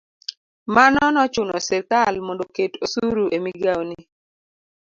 Mano nochuno sirikal mondo oket osuru e migao ni.